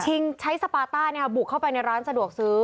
ชิงใช้สปาร์ต้าบุกเข้าไปร้านสะดวกสื้อ